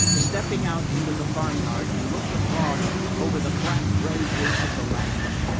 Stepping out into the farm yard he looked abroad over the flat grey face of the land.